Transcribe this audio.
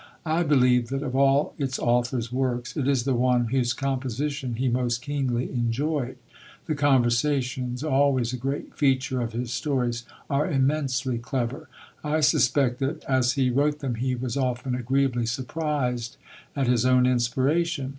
I believe that of all its author's works, it is the one whose composition he most keenly enjoyed. The conversations always a great feature of his stories are immensely clever; I suspect that as he wrote them he was often agreeably surprised at his own inspiration.